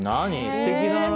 すてきな話。